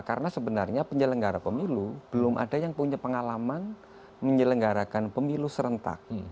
karena sebenarnya penyelenggara pemilu belum ada yang punya pengalaman menyelenggarakan pemilu serentak